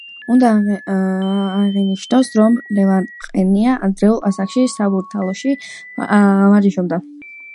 უნდა აღინიშნოს, რომ ლევან ყენია ადრეულ ასაკში, „საბურთალოში“ ვარჯიშობდა.